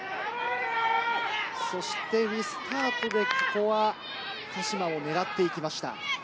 リスタートでここは鹿島も狙っていきました。